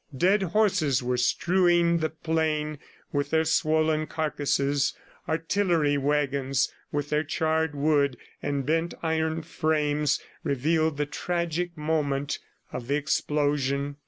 Dead horses were strewing the plain with their swollen carcasses. Artillery wagons with their charred wood and bent iron frames revealed the tragic moment of the explosion.